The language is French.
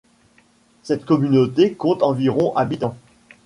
Cette communauté compte environ habitants.